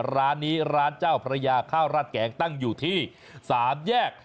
ร้านนี้ร้านเจ้าพระยาข้าวราดแกงตั้งอยู่ที่๓แยก